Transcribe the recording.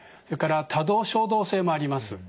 それから多動・衝動性もあります。